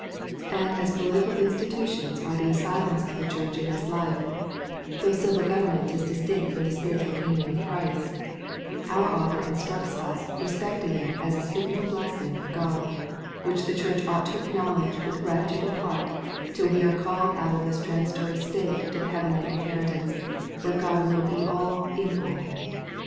And as political institutions are the asylums of the Church in this life, though civil government is distinct from the spiritual kingdom of Christ, our Author instructs us respecting it as a signal blessing of God, which the Church ought to acknowledge with gratitude of heart, till we are called out of this transitory state to the heavenly inheritance, where God will be all in all.